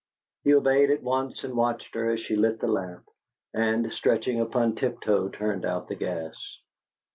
He obeyed at once, and watched her as she lit the lamp, and, stretching upon tiptoe, turned out the gas.